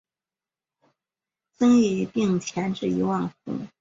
增邑并前至一万户。